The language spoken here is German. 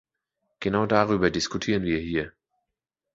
Genau darüber diskutieren wir hier.